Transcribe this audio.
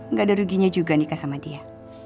nggak ada ruginya juga nikah sama dia